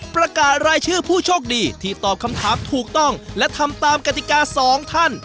ประกาศรายชื่อผู้โชคดีที่ตอบคำถามถูกต้องและทำตามกติกาสองท่าน